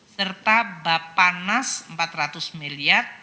serta bapanas rp empat ratus miliar